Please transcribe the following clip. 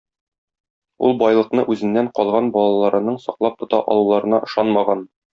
Ул байлыкны үзеннән калган балаларының саклап тота алуларына ышанмаган.